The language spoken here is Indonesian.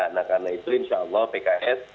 nah karena itu insya allah pks